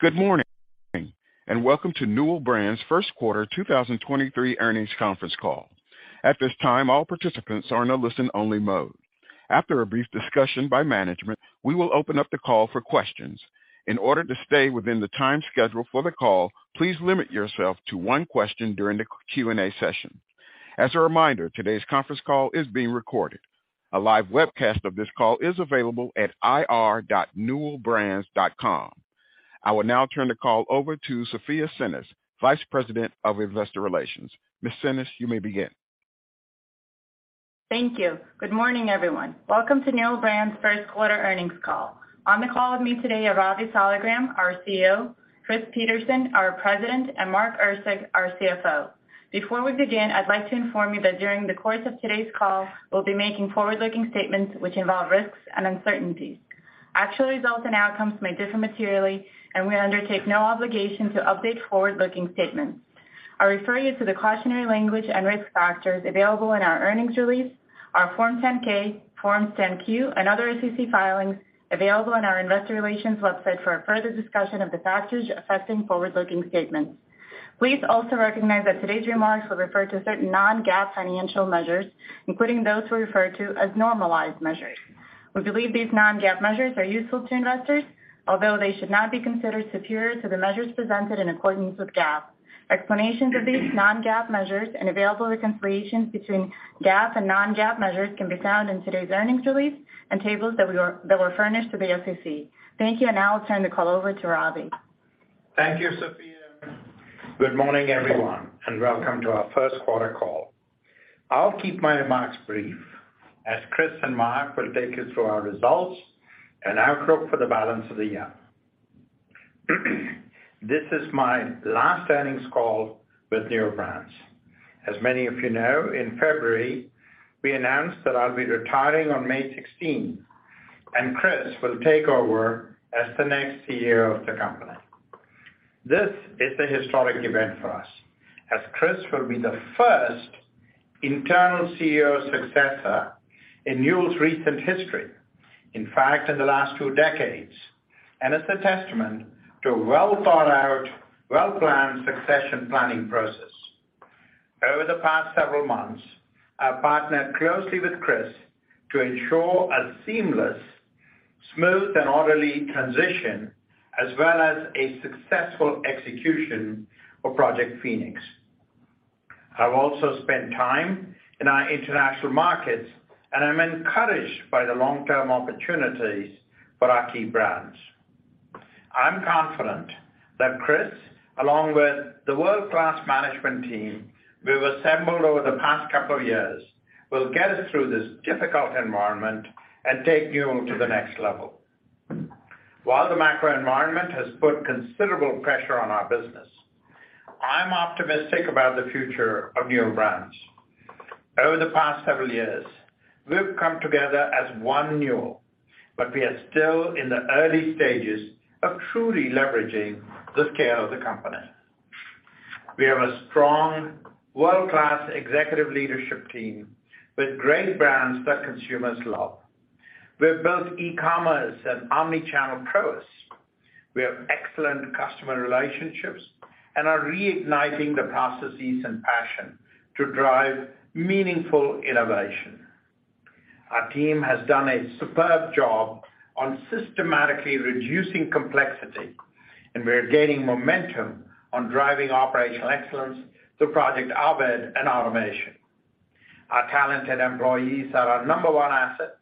Good morning, welcome to Newell Brands First Quarter 2023 Earnings Conference Call. At this time, all participants are in a listen-only mode. After a brief discussion by management, we will open up the call for questions. In order to stay within the time schedule for the call, please limit yourself to one question during the Q&A session. As a reminder, today's conference call is being recorded. A live webcast of this call is available at ir.newellbrands.com. I will now turn the call over to Sofya Tsinis, Vice President of Investor Relations. Ms. Tsinis, you may begin. Thank you. Good morning, everyone. Welcome to Newell Brands first quarter earnings call. On the call with me today are Ravi Saligram, our CEO; Chris Peterson, our President; and Mark Erceg, our CFO. Before we begin, I'd like to inform you that during the course of today's call, we'll be making forward-looking statements which involve risks and uncertainties. Actual results and outcomes may differ materially, and we undertake no obligation to update forward-looking statements. I refer you to the cautionary language and risk factors available in our earnings release, our Form 10-K, Form 10-Q, and other SEC filings available on our investor relations website for a further discussion of the factors affecting forward-looking statements. Please also recognize that today's remarks will refer to certain non-GAAP financial measures, including those we refer to as normalized measures. We believe these non-GAAP measures are useful to investors, although they should not be considered superior to the measures presented in accordance with GAAP. Explanations of these non-GAAP measures and available reconciliations between GAAP and non-GAAP measures can be found in today's earnings release and tables that were furnished to the SEC. Thank you. Now I'll turn the call over to Ravi. Thank you, Sofya. Good morning, everyone. Welcome to our first quarter call. I'll keep my remarks brief as Chris and Mark will take us through our results and outlook for the balance of the year. This is my last earnings call with Newell Brands. As many of you know, in February, we announced that I'll be retiring on May 16. Chris will take over as the next CEO of the company. This is a historic event for us, as Chris will be the first internal CEO successor in Newell's recent history. In fact, in the last two decades. It's a testament to a well-thought-out, well-planned succession planning process. Over the past several months, I've partnered closely with Chris to ensure a seamless, smooth, and orderly transition, as well as a successful execution of Project Phoenix. I've also spent time in our international markets, and I'm encouraged by the long-term opportunities for our key brands. I'm confident that Chris, along with the world-class management team we've assembled over the past couple of years, will get us through this difficult environment and take Newell to the next level. While the macro environment has put considerable pressure on our business, I'm optimistic about the future of Newell Brands. Over the past several years, we've come together as One Newell. We are still in the early stages of truly leveraging the scale of the company. We have a strong world-class executive leadership team with great brands that consumers love. We're both e-commerce and omnichannel pros. We have excellent customer relationships and are reigniting the processes and passion to drive meaningful innovation. Our team has done a superb job on systematically reducing complexity, and we're gaining momentum on driving operational excellence through Project Ovid and automation. Our talented employees are our number one asset,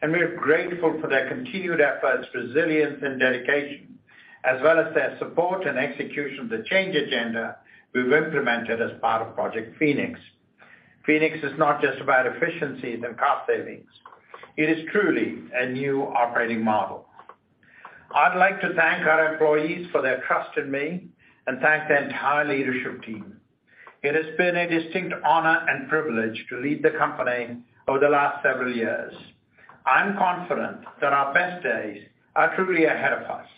and we're grateful for their continued efforts, resilience and dedication, as well as their support and execution of the change agenda we've implemented as part of Project Phoenix. Phoenix is not just about efficiencies and cost savings. It is truly a new operating model. I'd like to thank our employees for their trust in me and thank the entire leadership team. It has been a distinct honor and privilege to lead the company over the last several years. I'm confident that our best days are truly ahead of us.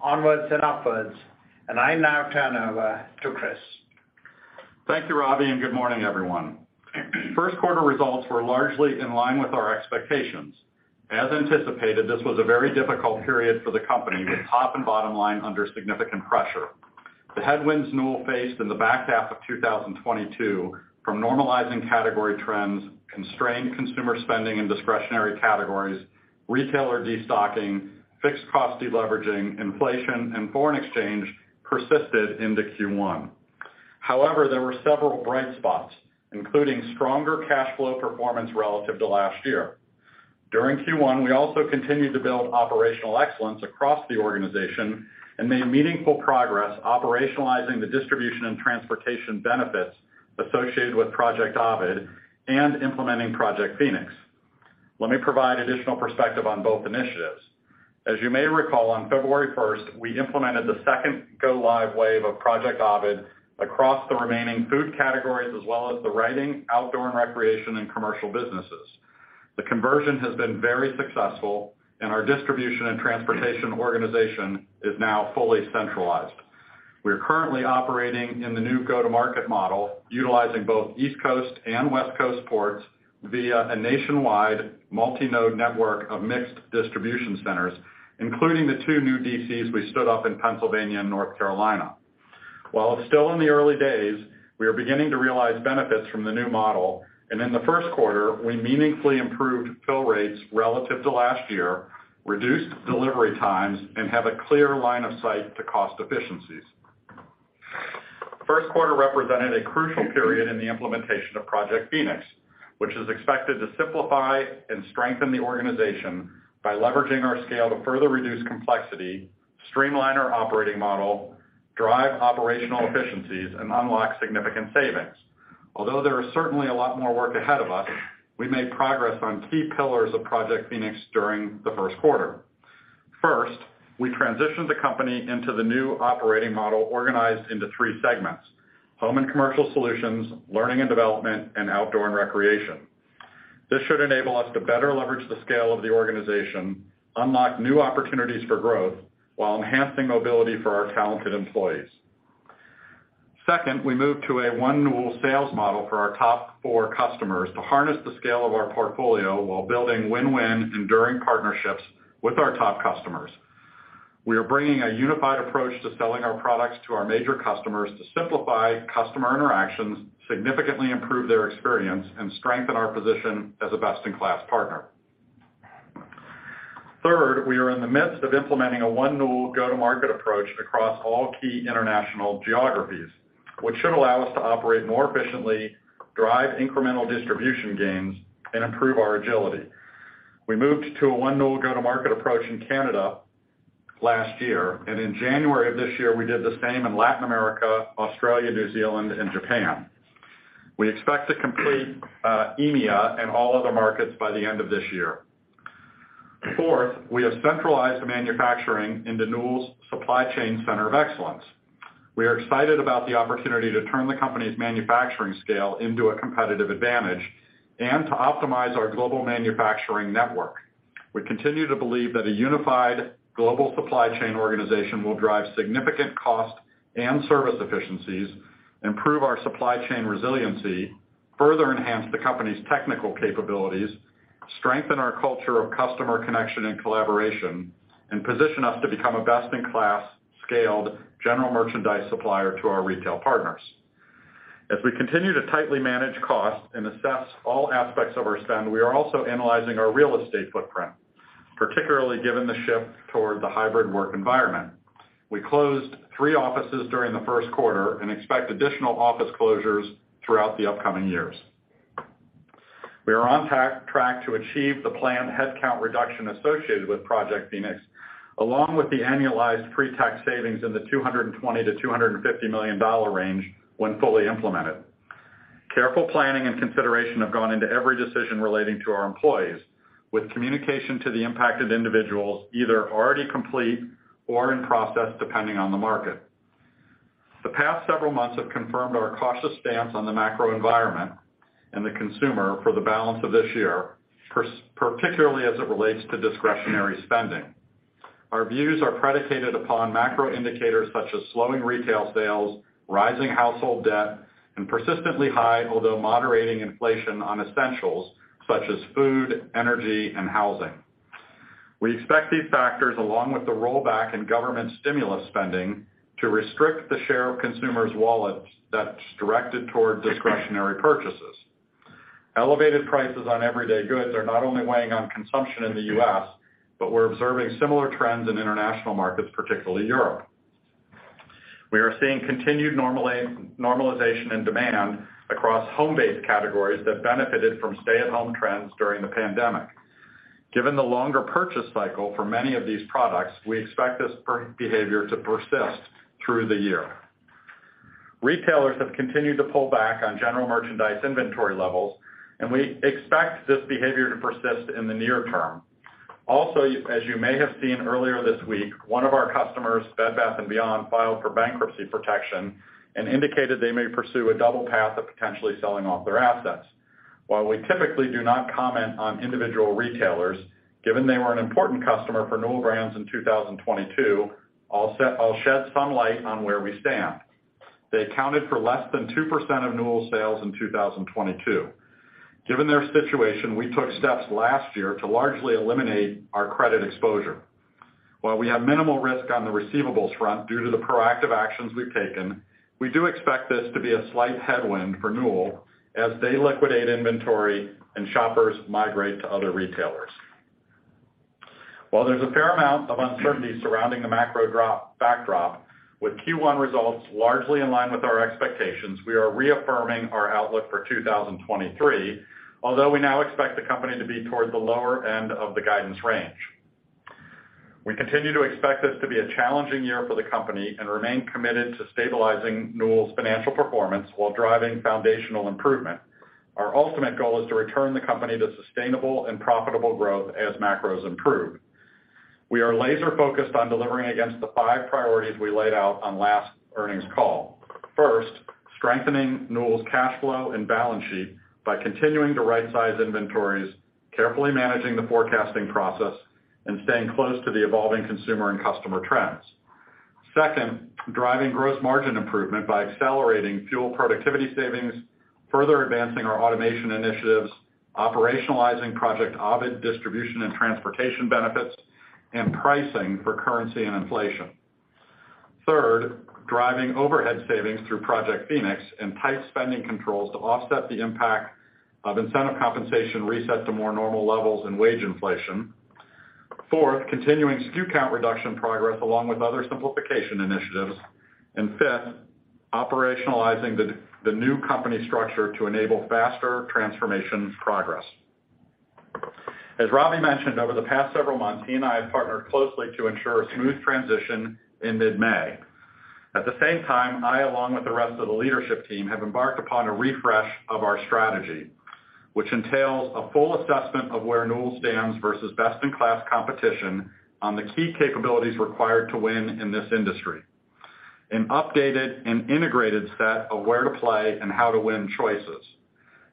Onwards and upwards, and I now turn over to Chris. Thank you, Ravi. Good morning, everyone. First quarter results were largely in line with our expectations. As anticipated, this was a very difficult period for the company, with top and bottom line under significant pressure. The headwinds Newell faced in the back half of 2022 from normalizing category trends, constrained consumer spending in discretionary categories, retailer destocking, fixed cost deleveraging, inflation, and foreign exchange persisted into Q1. There were several bright spots, including stronger cash flow performance relative to last year. During Q1, we also continued to build operational excellence across the organization and made meaningful progress operationalizing the distribution and transportation benefits associated with Project Ovid and implementing Project Phoenix. Let me provide additional perspective on both initiatives. As you may recall, on February 1st, we implemented the second go live wave of Project Ovid across the remaining food categories as well as the writing, outdoor and recreation, and commercial businesses. The conversion has been very successful and our distribution and transportation organization is now fully centralized. We are currently operating in the new go-to-market model, utilizing both East Coast and West Coast ports via a nationwide multi-node network of mixed distribution centers, including the two new DCs we stood up in Pennsylvania and North Carolina. While it's still in the early days, we are beginning to realize benefits from the new model, and in the first quarter, we meaningfully improved fill rates relative to last year, reduced delivery times, and have a clear line of sight to cost efficiencies. First quarter represented a crucial period in the implementation of Project Phoenix, which is expected to simplify and strengthen the organization by leveraging our scale to further reduce complexity, streamline our operating model, drive operational efficiencies, and unlock significant savings. Although there is certainly a lot more work ahead of us, we made progress on key pillars of Project Phoenix during the first quarter. First, we transitioned the company into the new operating model organized into three segments: Home & Commercial Solutions, Learning & Development, and Outdoor & Recreation. This should enable us to better leverage the scale of the organization, unlock new opportunities for growth while enhancing mobility for our talented employees. Second, we moved to a One Newell sales model for our top four customers to harness the scale of our portfolio while building win-win enduring partnerships with our top customers. We are bringing a unified approach to selling our products to our major customers to simplify customer interactions, significantly improve their experience, and strengthen our position as a best-in-class partner. We are in the midst of implementing a One Newell go-to-market approach across all key international geographies, which should allow us to operate more efficiently, drive incremental distribution gains, and improve our agility. We moved to a One Newell go-to-market approach in Canada last year. In January of this year, we did the same in Latin America, Australia, New Zealand, and Japan. We expect to complete EMEA and all other markets by the end of this year. We have centralized manufacturing into Newell's supply chain center of excellence. We are excited about the opportunity to turn the company's manufacturing scale into a competitive advantage and to optimize our global manufacturing network. We continue to believe that a unified global supply chain organization will drive significant cost and service efficiencies, improve our supply chain resiliency, further enhance the company's technical capabilities, strengthen our culture of customer connection and collaboration, and position us to become a best-in-class, scaled, general merchandise supplier to our retail partners. As we continue to tightly manage costs and assess all aspects of our spend, we are also analyzing our real estate footprint, particularly given the shift toward the hybrid work environment. We closed three offices during the first quarter and expect additional office closures throughout the upcoming years. We are on track to achieve the planned headcount reduction associated with Project Phoenix, along with the annualized pre-tax savings in the $220 million to $250 million range when fully implemented. Careful planning and consideration have gone into every decision relating to our employees, with communication to the impacted individuals either already complete or in process, depending on the market. The past several months have confirmed our cautious stance on the macro environment and the consumer for the balance of this year, particularly as it relates to discretionary spending. Our views are predicated upon macro indicators such as slowing retail sales, rising household debt, and persistently high, although moderating inflation on essentials such as food, energy, and housing. We expect these factors, along with the rollback in government stimulus spending, to restrict the share of consumers' wallets that's directed toward discretionary purchases. Elevated prices on everyday goods are not only weighing on consumption in the U.S., but we're observing similar trends in international markets, particularly Europe. We are seeing continued normalization in demand across home-based categories that benefited from stay-at-home trends during the pandemic. Given the longer purchase cycle for many of these products, we expect this behavior to persist through the year. Retailers have continued to pull back on general merchandise inventory levels, we expect this behavior to persist in the near term. As you may have seen earlier this week, one of our customers, Bed Bath & Beyond, filed for bankruptcy protection and indicated they may pursue a double path of potentially selling off their assets. While we typically do not comment on individual retailers, given they were an important customer for Newell Brands in 2022, I'll shed some light on where we stand. They accounted for less than 2% of Newell sales in 2022. Given their situation, we took steps last year to largely eliminate our credit exposure. While we have minimal risk on the receivables front due to the proactive actions we've taken, we do expect this to be a slight headwind for Newell as they liquidate inventory and shoppers migrate to other retailers. While there's a fair amount of uncertainty surrounding the macro backdrop, with Q1 results largely in line with our expectations, we are reaffirming our outlook for 2023, although we now expect the company to be toward the lower end of the guidance range. We continue to expect this to be a challenging year for the company and remain committed to stabilizing Newell's financial performance while driving foundational improvement. Our ultimate goal is to return the company to sustainable and profitable growth as macros improve. We are laser-focused on delivering against the five priorities we laid out on last earnings call. First, strengthening Newell's cash flow and balance sheet by continuing to right size inventories, carefully managing the forecasting process, and staying close to the evolving consumer and customer trends. Second, driving gross margin improvement by accelerating FUEL productivity savings, further advancing our automation initiatives, operationalizing Project Ovid distribution and transportation benefits, and pricing for currency and inflation. Third, driving overhead savings through Project Phoenix and tight spending controls to offset the impact of incentive compensation reset to more normal levels and wage inflation. Fourth, continuing SKU count reduction progress along with other simplification initiatives. Fifth, operationalizing the new company structure to enable faster transformation progress. As Ravi mentioned, over the past several months, he and I have partnered closely to ensure a smooth transition in mid-May. At the same time, I along with the rest of the leadership team, have embarked upon a refresh of our strategy, which entails a full assessment of where Newell stands versus best-in-class competition on the key capabilities required to win in this industry, an updated and integrated set of where to play and how to win choices,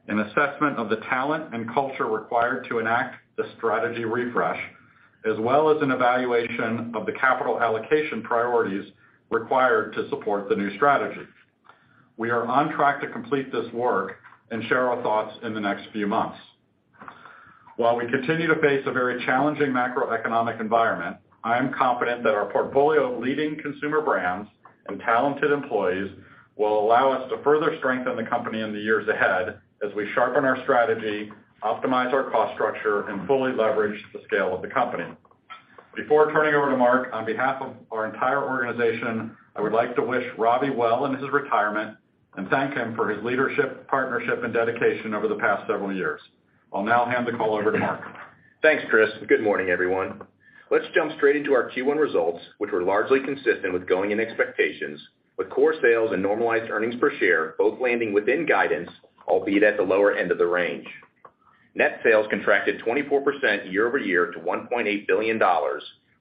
an assessment of the talent and culture required to enact the strategy refresh, as well as an evaluation of the capital allocation priorities required to support the new strategy. We are on track to complete this work and share our thoughts in the next few months. While we continue to face a very challenging macroeconomic environment, I am confident that our portfolio of leading consumer brands and talented employees will allow us to further strengthen the company in the years ahead as we sharpen our strategy, optimize our cost structure, and fully leverage the scale of the company. Before turning over to Mark, on behalf of our entire organization, I would like to wish Ravi well in his retirement and thank him for his leadership, partnership, and dedication over the past several years. I'll now hand the call over to Mark. Thanks, Chris. Good morning, everyone. Let's jump straight into our Q1 results, which were largely consistent with going in expectations, with core sales and normalized earnings per share both landing within guidance, albeit at the lower end of the range. Net sales contracted 24% year-over-year to $1.8 billion,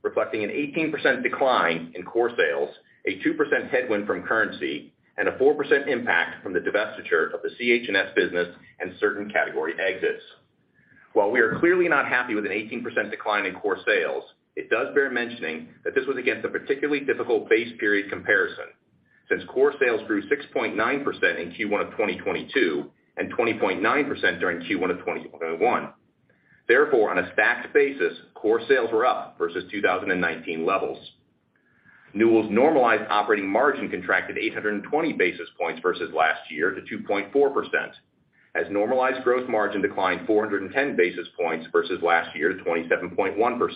reflecting an 18% decline in core sales, a 2% headwind from currency, and a 4% impact from the divestiture of the CH&S business and certain category exits. While we are clearly not happy with an 18% decline in core sales, it does bear mentioning that this was against a particularly difficult base period comparison since core sales grew 6.9% in Q1 of 2022 and 20.9% during Q1 of 2021. Therefore, on a stacked basis, core sales were up versus 2019 levels. Newell's normalized operating margin contracted 820 basis points versus last year to 2.4% as normalized gross margin declined 410 basis points versus last year to 27.1%.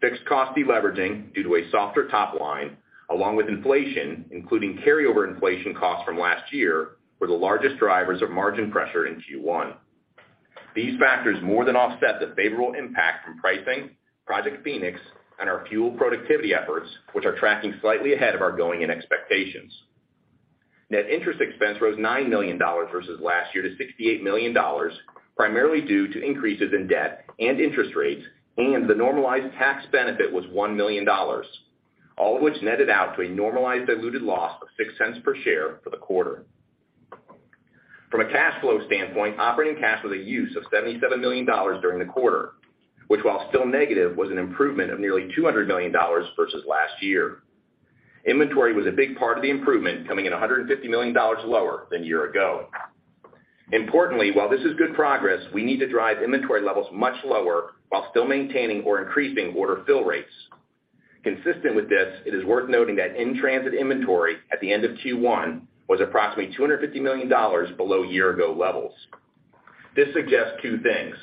Fixed cost deleveraging due to a softer top line along with inflation, including carryover inflation costs from last year, were the largest drivers of margin pressure in Q1. These factors more than offset the favorable impact from pricing, Project Phoenix, and our FUEL productivity efforts, which are tracking slightly ahead of our going-in expectations. Net interest expense rose $9 million versus last year to $68 million, primarily due to increases in debt and interest rates, and the normalized tax benefit was $1 million, all of which netted out to a normalized diluted loss of $0.06 per share for the quarter. From a cash flow standpoint, operating cash was a use of $77 million during the quarter, which while still negative, was an improvement of nearly $200 million versus last year. Inventory was a big part of the improvement, coming in $150 million lower than a year ago. Importantly, while this is good progress, we need to drive inventory levels much lower while still maintaining or increasing order fill rates. Consistent with this, it is worth noting that in-transit inventory at the end of Q1 was approximately $250 million below year-ago levels. This suggests two things.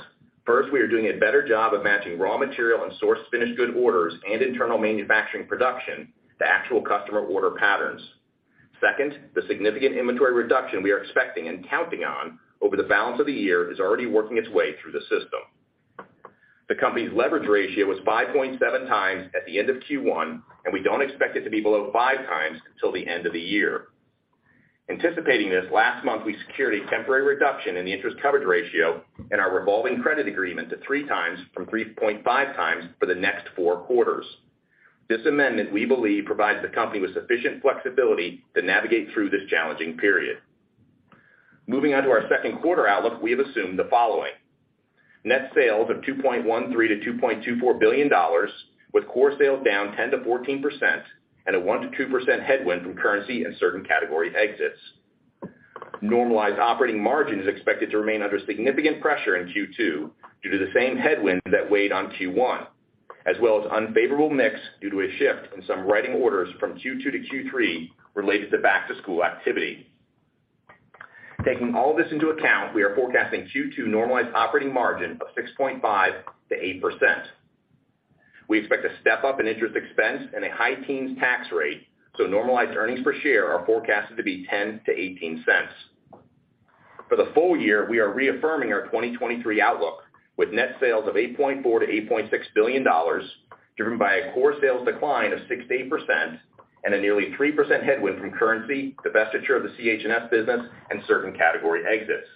First, we are doing a better job of matching raw material and sourced finished good orders and internal manufacturing production to actual customer order patterns. Second, the significant inventory reduction we are expecting and counting on over the balance of the year is already working its way through the system. The company's leverage ratio was 5.7 times at the end of Q1, and we don't expect it to be below five times till the end of the year. Anticipating this, last month, we secured a temporary reduction in the interest coverage ratio and our revolving credit agreement to 3 times from 3.5 times for the next four quarters. This amendment, we believe, provides the company with sufficient flexibility to navigate through this challenging period. Moving on to our second quarter outlook, we have assumed the following. Net sales of $2.13 billion to $2.24 billion, with core sales down 10% to 14% and a 1% to 2% headwind from currency and certain category exits. Normalized operating margin is expected to remain under significant pressure in Q2 due to the same headwind that weighed on Q1, as well as unfavorable mix due to a shift in some writing orders from Q2 to Q3 related to back-to-school activity. Taking all this into account, we are forecasting Q2 normalized operating margin of 6.5% to 8%. We expect a step-up in interest expense and a high teens tax rate. Normalized earnings per share are forecasted to be $0.10 to $0.18. For the full year, we are reaffirming our 2023 outlook with net sales of $8.4 billion to $8.6 billion, driven by a core sales decline of 6% to 8% and a nearly 3% headwind from currency, divestiture of the CH&S business, and certain category exits.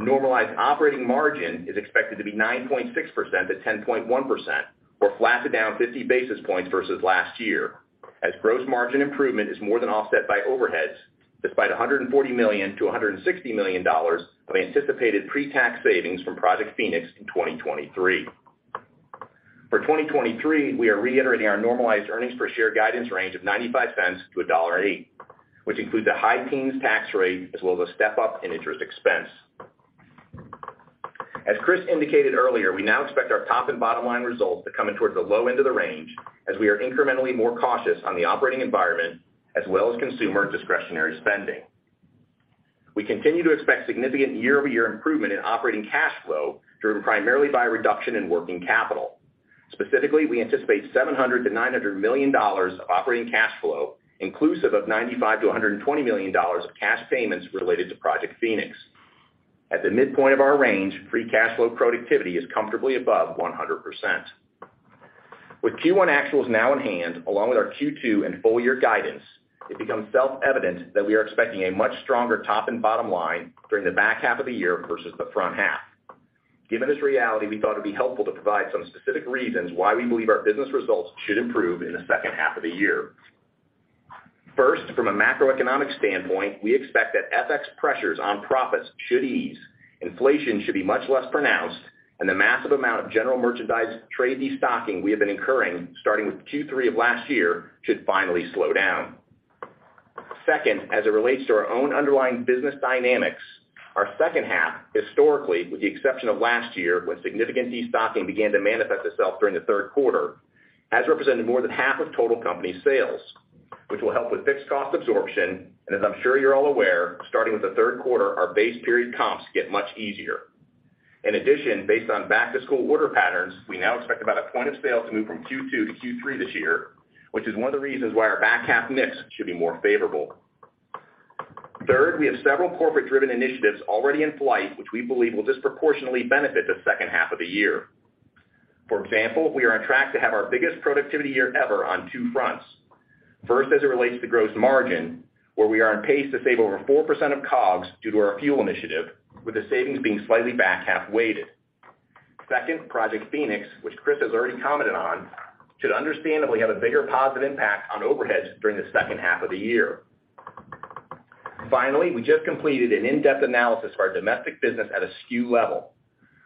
Normalized operating margin is expected to be 9.6% to 10.1% or flat to down 50 basis points versus last year, as gross margin improvement is more than offset by overheads, despite $140 million-$160 million of anticipated pre-tax savings from Project Phoenix in 2023. For 2023, we are reiterating our normalized earnings per share guidance range of $0.95-$1.08, which includes a high teens tax rate as well as a step up in interest expense. As Chris indicated earlier, we now expect our top and bottom line results to come in towards the low end of the range as we are incrementally more cautious on the operating environment as well as consumer discretionary spending. We continue to expect significant year-over-year improvement in operating cash flow, driven primarily by a reduction in working capital. Specifically, we anticipate $700 million to $900 million of operating cash flow, inclusive of $95 million to $120 million of cash payments related to Project Phoenix. At the midpoint of our range, free cash flow productivity is comfortably above 100%. With Q1 actuals now in hand, along with our Q2 and full year guidance, it becomes self-evident that we are expecting a much stronger top and bottom line during the back half of the year versus the front half. Given this reality, we thought it'd be helpful to provide some specific reasons why we believe our business results should improve in the second half of the year. First, from a macroeconomic standpoint, we expect that FX pressures on profits should ease, inflation should be much less pronounced, and the massive amount of general merchandise trade destocking we have been incurring, starting with Q3 of last year, should finally slow down. Second, as it relates to our own underlying business dynamics, our second half, historically, with the exception of last year, when significant destocking began to manifest itself during the third quarter, has represented more than half of total company sales, which will help with fixed cost absorption. As I'm sure you're all aware, starting with the third quarter, our base period comps get much easier. Based on back-to-school order patterns, we now expect about a point of sale to move from Q2 to Q3 this year, which is one of the reasons why our back half mix should be more favorable. We have several corporate-driven initiatives already in flight, which we believe will disproportionately benefit the second half of the year. We are on track to have our biggest productivity year ever on two fronts. As it relates to gross margin, where we are on pace to save over 4% of COGS due to our FUEL initiative, with the savings being slightly back half weighted. Project Phoenix, which Chris has already commented on, should understandably have a bigger positive impact on overheads during the second half of the year. We just completed an in-depth analysis of our domestic business at a SKU level.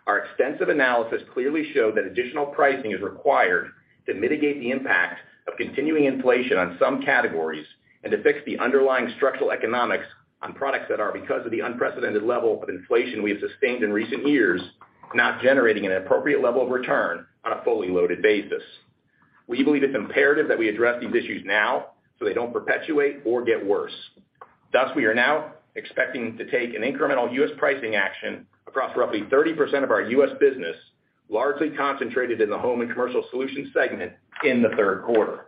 Our extensive analysis clearly showed that additional pricing is required to mitigate the impact of continuing inflation on some categories and to fix the underlying structural economics on products that are, because of the unprecedented level of inflation we have sustained in recent years, not generating an appropriate level of return on a fully loaded basis. We believe it's imperative that we address these issues now, so they don't perpetuate or get worse. Thus, we are now expecting to take an incremental U.S. pricing action across roughly 30% of our U.S. business, largely concentrated in the Home & Commercial Solutions segment in the third quarter.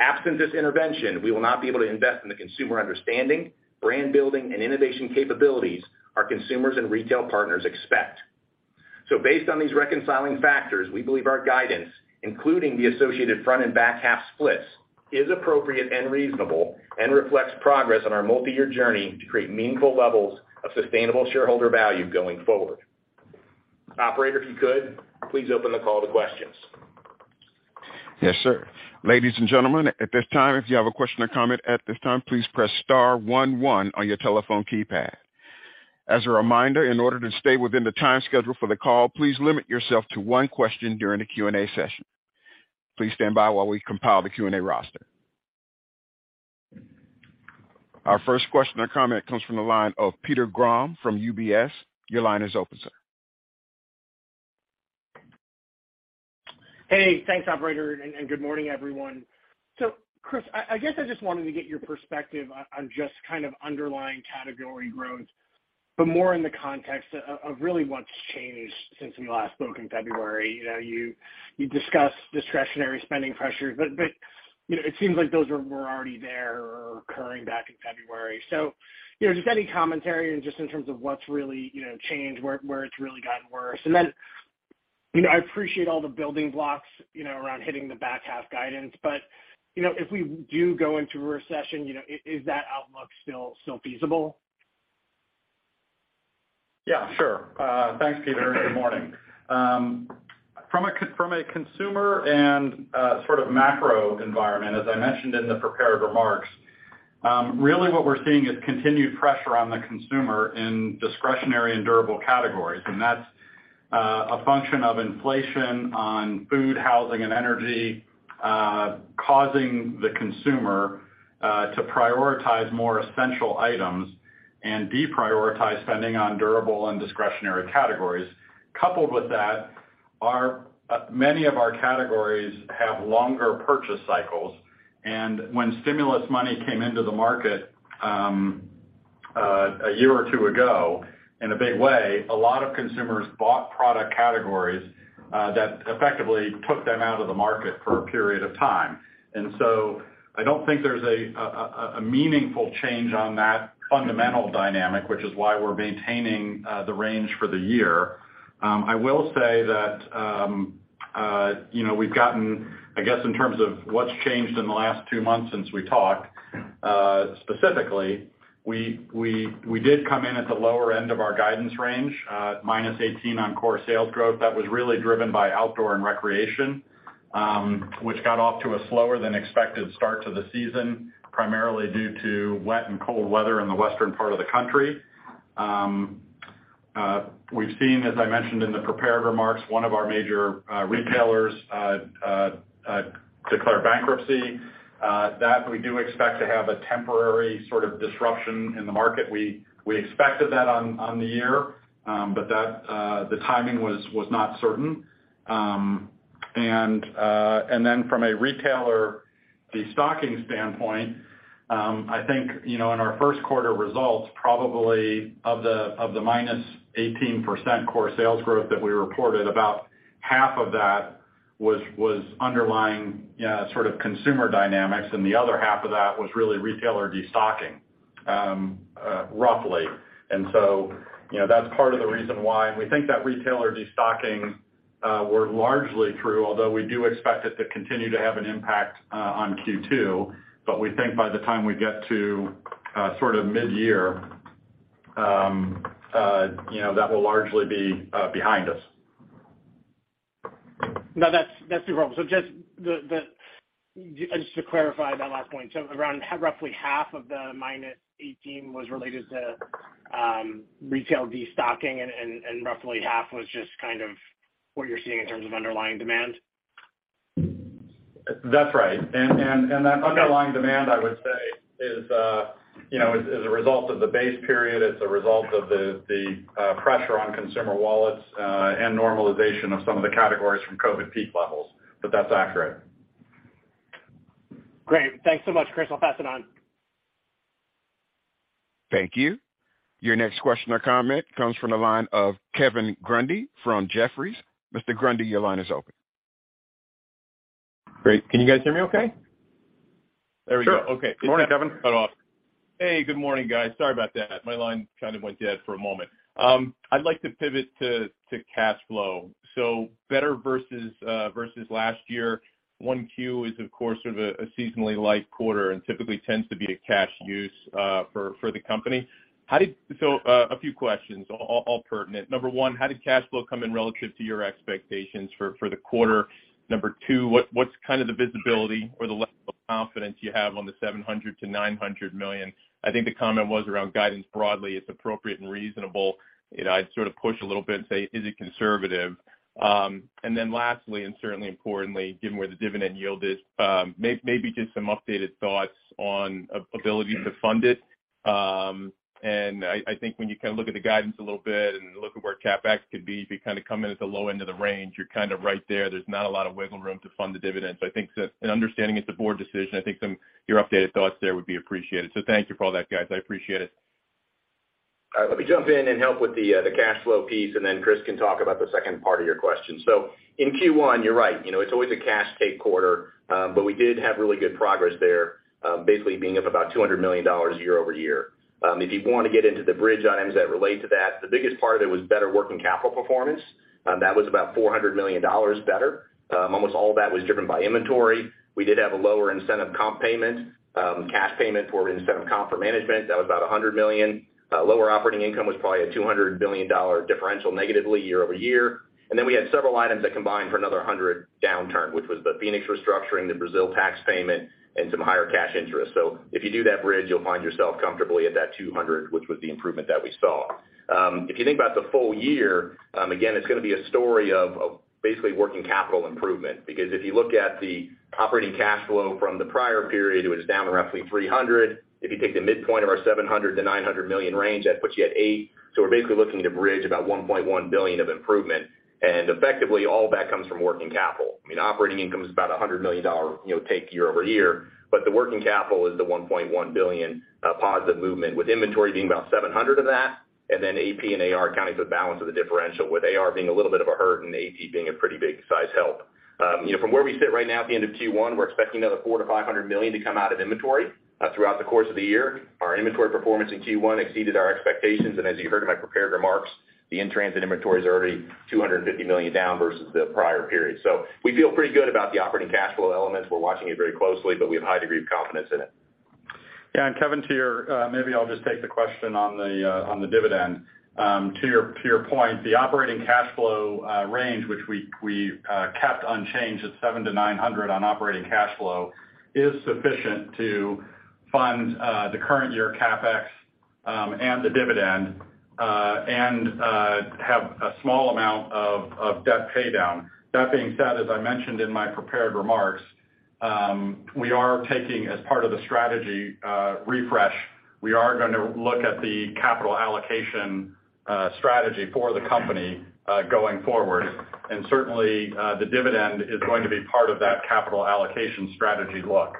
Absent this intervention, we will not be able to invest in the consumer understanding, brand building, and innovation capabilities our consumers and retail partners expect. Based on these reconciling factors, we believe our guidance, including the associated front and back half splits, is appropriate and reasonable and reflects progress on our multi-year journey to create meaningful levels of sustainable shareholder value going forward. Operator, if you could, please open the call to questions. Yes, sir. Ladies and gentlemen, at this time, if you have a question or comment at this time, please press star one one on your telephone keypad. As a reminder, in order to stay within the time schedule for the call, please limit yourself to one question during the Q&A session. Please stand by while we compile the Q&A roster. Our first question or comment comes from the line of Peter Grom from UBS. Your line is open, sir. Hey, thanks, operator, and good morning, everyone. Chris, I guess I just wanted to get your perspective on just kind of underlying category growth, but more in the context of really what's changed since we last spoke in February. You know, you discussed discretionary spending pressures, but, you know, it seems like those were already there or occurring back in February. You know, just any commentary and just in terms of what's really, you know, changed where it's really gotten worse. Then, you know, I appreciate all the building blocks, you know, around hitting the back half guidance. You know, if we do go into a recession, you know, is that outlook still feasible? Sure. Thanks, Peter. Good morning. From a consumer and sort of macro environment, as I mentioned in the prepared remarks, really what we're seeing is continued pressure on the consumer in discretionary and durable categories. That's a function of inflation on food, housing, and energy, causing the consumer to prioritize more essential items and deprioritize spending on durable and discretionary categories. Coupled with that, many of our categories have longer purchase cycles, and when stimulus money came into the market, a year or two ago in a big way, a lot of consumers bought product categories that effectively took them out of the market for a period of time. I don't think there's a meaningful change on that fundamental dynamic, which is why we're maintaining the range for the year. I will say that, you know, I guess, in terms of what's changed in the last two months since we talked, specifically, we did come in at the lower end of our guidance range, -18% on core sales growth. That was really driven by Outdoor & Recreation, which got off to a slower than expected start to the season, primarily due to wet and cold weather in the western part of the country. We've seen, as I mentioned in the prepared remarks, one of our major retailers declare bankruptcy, that we do expect to have a temporary sort of disruption in the market. We expected that on the year, but that the timing was not certain. From a retailer de-stocking standpoint, I think, you know, in our first quarter results, probably of the -18% core sales growth that we reported, about half of that was underlying sort of consumer dynamics, and the other half of that was really retailer de-stocking, roughly. You know, that's part of the reason why we think that retailer de-stocking we're largely through, although we do expect it to continue to have an impact on Q2. We think by the time we get to sort of mid-year, you know, that will largely be behind us. That's super helpful. Just to clarify that last point. Around roughly half of the -18 was related to retail de-stocking and roughly half was just kind of what you're seeing in terms of underlying demand? That's right. That underlying demand, I would say, is, you know, as a result of the base period, it's a result of the pressure on consumer wallets, and normalization of some of the categories from COVID peak levels. That's accurate. Great. Thanks so much, Chris. I'll pass it on. Thank you. Your next question or comment comes from the line of Kevin Grundy from Jefferies. Mr. Grundy, your line is open. Great. Can you guys hear me okay? There we go. Sure. Okay. Good morning, Kevin. Cut off. Hey, good morning, guys. Sorry about that. My line kind of went dead for a moment. I'd like to pivot to cash flow. Better versus last year, 1Q is, of course, sort of a seasonally light quarter and typically tends to be a cash use for the company. A few questions, all pertinent. Number one, how did cash flow come in relative to your expectations for the quarter? Number two, what's kind of the visibility or the level of confidence you have on the $700 million to $900 million? I think the comment was around guidance broadly is appropriate and reasonable. You know, I'd sort of push a little bit and say, is it conservative? Then lastly, and certainly importantly, given where the dividend yield is, maybe just some updated thoughts on ability to fund it. I think when you kind of look at the guidance a little bit and look at where CapEx could be, if you kind of come in at the low end of the range, you're kind of right there. There's not a lot of wiggle room to fund the dividends. I think that. Understanding it's a board decision, I think your updated thoughts there would be appreciated. Thank you for all that, guys. I appreciate it. Let me jump in and help with the cash flow piece, then Chris can talk about the second part of your question. In Q1, you're right, you know, it's always a cash take quarter, we did have really good progress there, basically being up about $200 million year-over-year. If you wanna get into the bridge items that relate to that, the biggest part of it was better working capital performance. That was about $400 million better. Almost all that was driven by inventory. We did have a lower incentive comp payment, cash payment for incentive comp for management. That was about $100 million. Lower operating income was probably a $200 billion differential negatively year-over-year. We had several items that combined for another $100 downturn, which was the Phoenix restructuring, the Brazil tax payment, and some higher cash interest. If you do that bridge, you'll find yourself comfortably at that $200, which was the improvement that we saw. If you think about the full year, again, it's gonna be a story of basically working capital improvement. Because if you look at the operating cash flow from the prior period, it was down roughly $300. If you take the midpoint of our $700 million to $900 million range, that puts you at $800 million. We're basically looking to bridge about $1.1 billion of improvement. Effectively, all that comes from working capital. I mean, operating income is about $100 million, you know, take year over year. The working capital is the $1.1 billion positive movement, with inventory being about 700 of that, and then AP and AR accounting for the balance of the differential, with AR being a little bit of a hurt and AP being a pretty big size help. You know, from where we sit right now at the end of Q1, we're expecting another $400 million-$500 million to come out of inventory throughout the course of the year. Our inventory performance in Q1 exceeded our expectations. As you heard in my prepared remarks, the in-transit inventory is already $250 million down versus the prior period. We feel pretty good about the operating cash flow elements. We're watching it very closely, but we have a high degree of confidence in it. Kevin, maybe I'll just take the question on the dividend. To your point, the operating cash flow range, which we kept unchanged at $700 million to $900 million on operating cash flow, is sufficient to fund the current year CapEx and the dividend and have a small amount of debt paydown. That being said, as I mentioned in my prepared remarks, we are taking as part of the strategy a refresh. We are gonna look at the capital allocation strategy for the company going forward. Certainly, the dividend is going to be part of that capital allocation strategy look.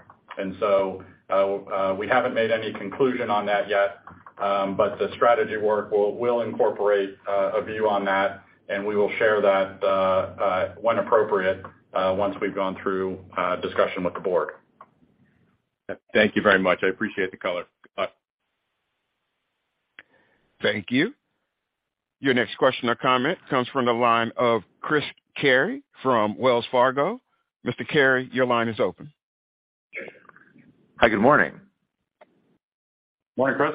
We haven't made any conclusion on that yet, but the strategy work will incorporate a view on that, and we will share that when appropriate, once we've gone through discussion with the board. Thank you very much. I appreciate the color. Bye. Thank you. Your next question or comment comes from the line of Chris Carey from Wells Fargo. Mr. Carey, your line is open. Hi, good morning. Morning, Chris.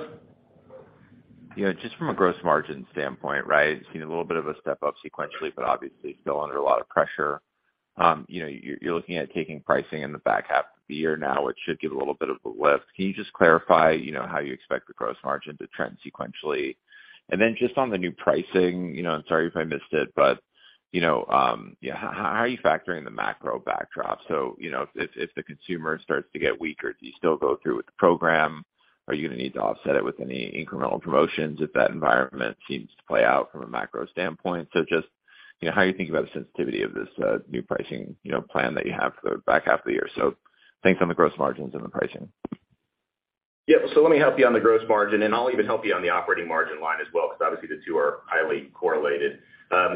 You know, just from a gross margin standpoint, right? Seeing a little bit of a step up sequentially, but obviously still under a lot of pressure. You know, you're looking at taking pricing in the back half of the year now, which should give a little bit of a lift. Can you just clarify, you know, how you expect the gross margin to trend sequentially? Then just on the new pricing, you know, I'm sorry if I missed it, but, you know, how are you factoring the macro backdrop? You know, if the consumer starts to get weaker, do you still go through with the program? Are you gonna need to offset it with any incremental promotions if that environment seems to play out from a macro standpoint? Just, you know, how are you thinking about the sensitivity of this new pricing, you know, plan that you have for the back half of the year? Thanks on the gross margins and the pricing. Yeah. Let me help you on the gross margin, and I'll even help you on the operating margin line as well, because obviously the two are highly correlated.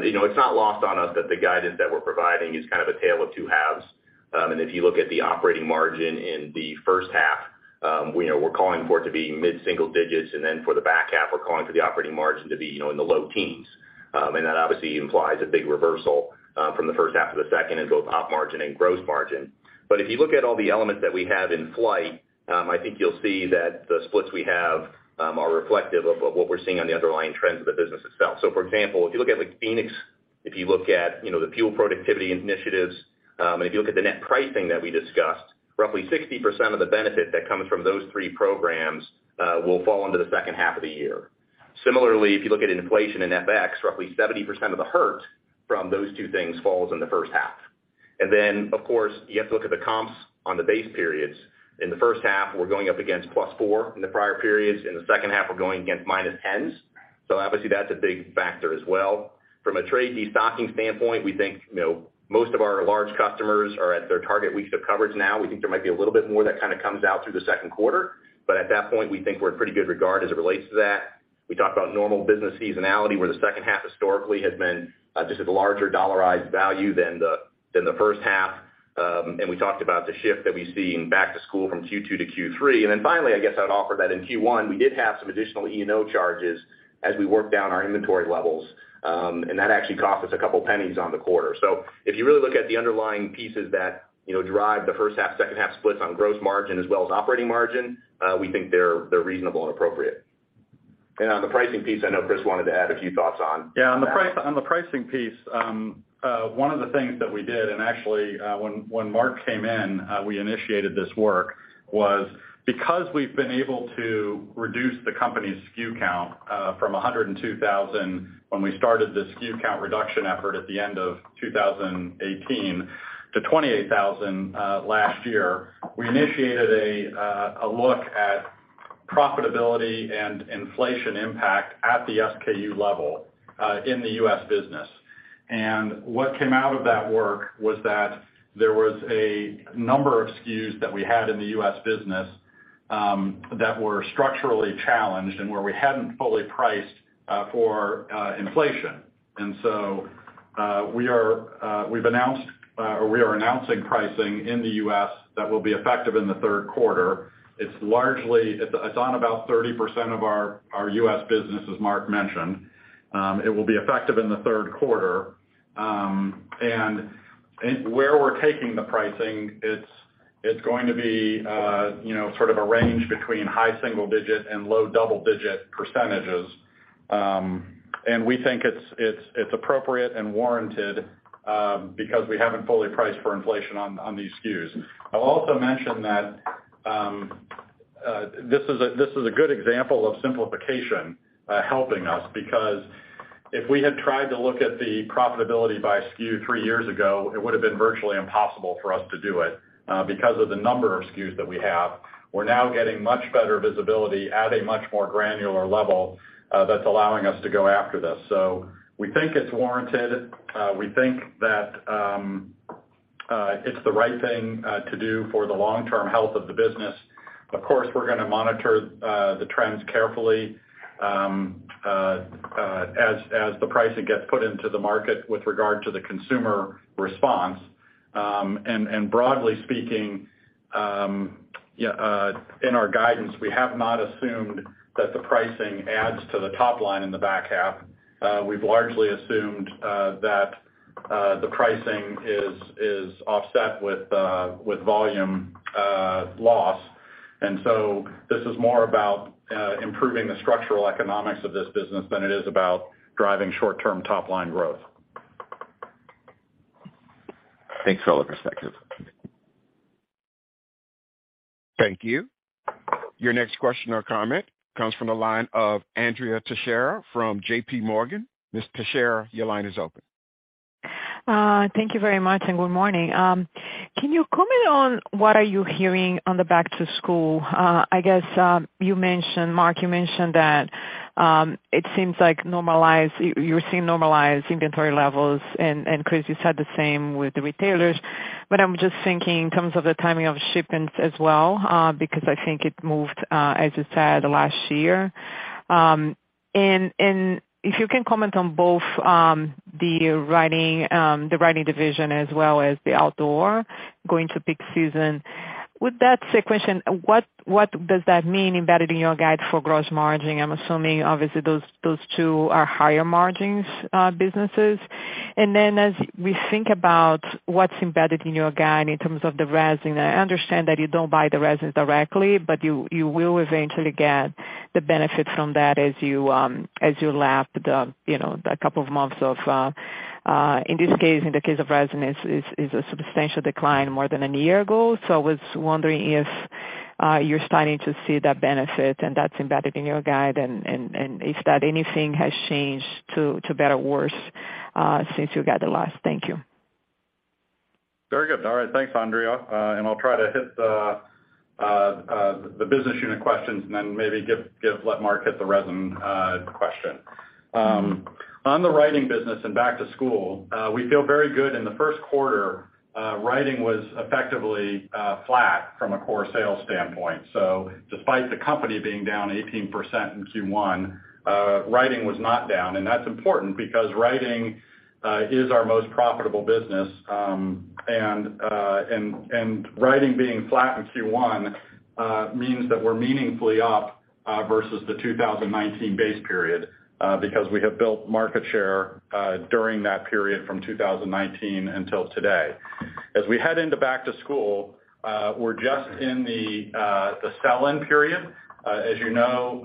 you know, it's not lost on us that the guidance that we're providing is kind of a tale of two halves. If you look at the operating margin in the first half, you know, we're calling for it to be mid-single digits, and then for the back half, we're calling for the operating margin to be, you know, in the low teens. That obviously implies a big reversal from the first half to the second in both op margin and gross margin. If you look at all the elements that we have in flight, I think you'll see that the splits we have are reflective of what we're seeing on the underlying trends of the business itself. For example, if you look at like Phoenix, if you look at, you know, the FUEL productivity initiatives, and if you look at the net pricing that we discussed, roughly 60% of the benefit that comes from those three programs will fall into the second half of the year. Similarly, if you look at inflation in FX, roughly 70% of the hurt from those two things falls in the first half. Of course, you have to look at the comps on the base periods. In the first half, we're going up against +4 in the prior periods. In the second half, we're going against minus 10s. Obviously, that's a big factor as well. From a trade destocking standpoint, we think, you know, most of our large customers are at their target weeks of coverage now. We think there might be a little bit more that kind of comes out through the second quarter, but at that point, we think we're in pretty good regard as it relates to that. We talked about normal business seasonality, where the second half historically has been just at a larger dollarized value than the, than the first half. We talked about the shift that we see in back to school from Q2 to Q3. Finally, I guess I'd offer that in Q1, we did have some additional E&O charges as we worked down our inventory levels, and that actually cost us a couple pennies on the quarter. If you really look at the underlying pieces that, you know, drive the first half, second half splits on gross margin as well as operating margin, we think they're reasonable and appropriate. On the pricing piece, I know Chris wanted to add a few thoughts on. Yeah, on the pricing piece, one of the things that we did, and actually, when Mark came in, we initiated this work, was because we've been able to reduce the company's SKU count, from 102,000 when we started the SKU count reduction effort at the end of 2018 to 28,000, last year, we initiated a look at profitability and inflation impact at the SKU level, in the U.S. business. What came out of that work was that there was a number of SKUs that we had in the U.S. business, that were structurally challenged and where we hadn't fully priced, for inflation. We are announcing pricing in the U.S. that will be effective in the third quarter. It's on about 30% of our U.S. business, as Mark mentioned. It will be effective in the third quarter. Where we're taking the pricing, it's going to be, you know, sort of a range between high single-digit and low double-digit percentages. We think it's appropriate and warranted because we haven't fully priced for inflation on these SKUs. I'll also mention that this is a good example of simplification helping us, because if we had tried to look at the profitability by SKU three years ago, it would've been virtually impossible for us to do it because of the number of SKUs that we have. We're now getting much better visibility at a much more granular level that's allowing us to go after this. We think it's warranted. We think that it's the right thing to do for the long-term health of the business. Of course, we're gonna monitor the trends carefully as the pricing gets put into the market with regard to the consumer response. Broadly speaking, in our guidance, we have not assumed that the pricing adds to the top line in the back half. We've largely assumed that the pricing is offset with volume loss. This is more about improving the structural economics of this business than it is about driving short-term top-line growth. Thanks for all the perspective. Thank you. Your next question or comment comes from the line of Andrea Teixeira from JPMorgan. Ms. Teixeira, your line is open. Thank you very much, and good morning. Can you comment on what are you hearing on the back to school? I guess, you mentioned, Mark, you mentioned that, it seems like you're seeing normalized inventory levels and Chris, you said the same with the retailers. I'm just thinking in terms of the timing of shipments as well, because I think it moved, as you said, last year. If you can comment on both, the writing division as well as the outdoor going to peak season. With that said question, what does that mean embedded in your guide for gross margin? I'm assuming obviously those two are higher margins, businesses. As we think about what's embedded in your guide in terms of the resin, I understand that you don't buy the resin directly, but you will eventually get the benefit from that as you lap the, you know, the couple of months of, in this case, in the case of resin, is a substantial decline more than a year ago. I was wondering if you're starting to see that benefit and that's embedded in your guide and if that anything has changed to better or worse, since you got the last. Thank you. Very good. All right. Thanks, Andrea. I'll try to hit the business unit questions and then maybe give let Mark hit the resin question. On the writing business and back to school, we feel very good. In the first quarter, writing was effectively flat from a core sales standpoint. Despite the company being down 18% in Q1, writing was not down. That's important because writing is our most profitable business. And writing being flat in Q1 means that we're meaningfully up versus the 2019 base period because we have built market share during that period from 2019 until today. As we head into back to school, we're just in the sell-in period. As you know,